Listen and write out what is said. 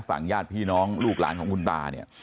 ญาติพี่น้องลูกหลานของคุณตาเนี่ย